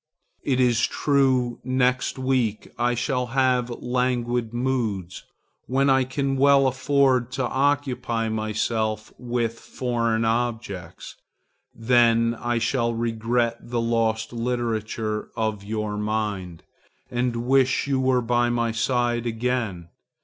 It is true, next week I shall have languid moods, when I can well afford to occupy myself with foreign objects; then I shall regret the lost literature of your mind, and wish you were by my side again.